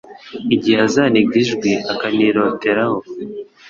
igihe azaniga ijwi akaniroteraho